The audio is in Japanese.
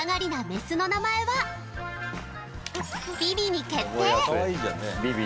メスの名前はビビに決定！